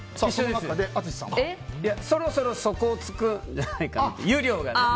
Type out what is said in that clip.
そろそろ湯量が底をつくんじゃないかなと。